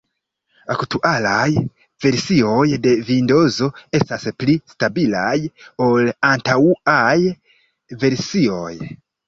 Aktualaj versioj de Vindozo estas pli stabilaj ol antaŭaj versioj.